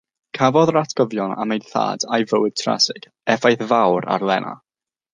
Cafodd yr atgofion am ei thad a'i fywyd trasig effaith fawr ar Lena.